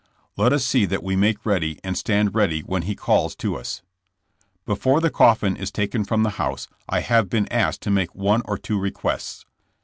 Let us see that we make ready and stand ready when He calls to us. Before the coffin is taken from the house, I have been asked to make one or two requests.